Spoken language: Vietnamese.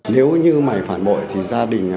nếu như mày phản bội thì gia đình